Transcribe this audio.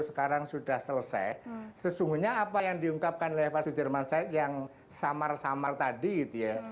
sekarang sudah selesai sesungguhnya apa yang diungkapkan oleh pak sudirman said yang samar samar tadi gitu ya